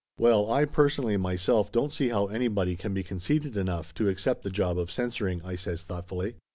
"Well, I personally myself don't see how anybody can be conceited enough to accept the job of censoring," I says thoughtfully.